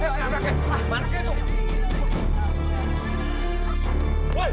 woy woy keluar